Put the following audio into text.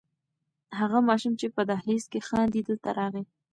هغه ماشوم چې په دهلېز کې خاندي دلته راغی.